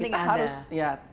yang penting ada